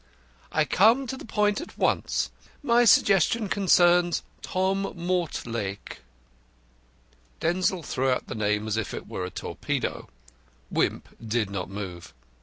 I will come to the point at once. My suggestion concerns Tom Mortlake." Denzil threw out the name as if it were a torpedo. Wimp did not move.